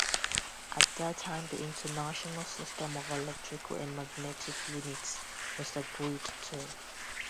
At that time the International System of Electrical and Magnetic Units was agreed to.